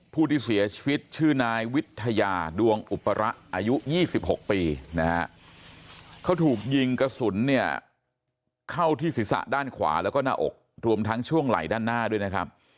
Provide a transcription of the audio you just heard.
ผู้ที่เสียชีวิตชื่อนายวิทยาดวงอุประอายุ๒๖ปีนะฮะเขาถูกยิงกระสุนเนี่ยเข้าที่ศีรษะด้านขวาแล้วก็หน้าอกรวมทั้งช่วงไหล่ด้านหน้าด้วยนะครับ